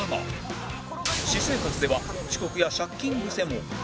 私生活では遅刻や借金癖も